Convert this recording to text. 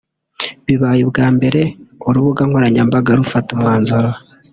Bibaye ubwa mbere urubuga nkoranyambaga rufata umwanzuro